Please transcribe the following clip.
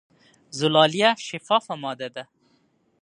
زلالیه شفافه ماده ده.